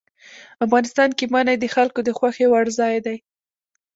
افغانستان کې منی د خلکو د خوښې وړ ځای دی.